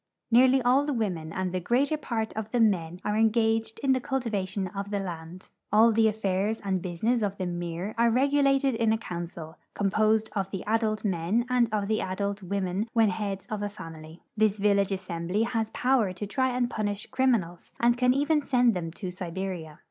Nearly all the women and the greater part of the men are engaged in the cultivation of the land. All the RUSSIA IN EUROPE 19 affairs and business of the mir are regulated in a council, com posed of the adult men and of the adult women when heads of a famil3^ This village assembly has power to try and punish criminals, and can even send them to Siberia.